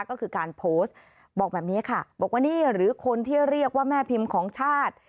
ก็คือการโพสต์บอกแบบนี้ค่ะบอกว่านี่หรือคนที่เรียกว่าแม่พิมพ์ของชาติ